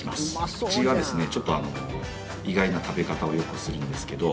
うちは、ちょっと意外な食べ方をよくするんですけど。